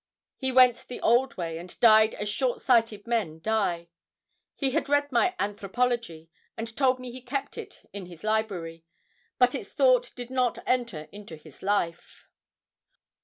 He went the old way, and died as short sighted men die. He had read my "Anthropology," and told me he kept it in his library, but its thought did not enter into his life.